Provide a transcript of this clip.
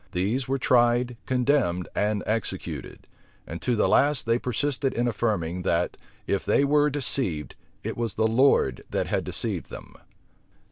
These were tried, condemned, and executed; and to the last they persisted in affirming, that, if they were deceived, it was the Lord that had deceived them.